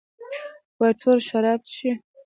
وايي ټول شراب چښي؟